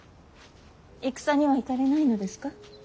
戦には行かれないのですか。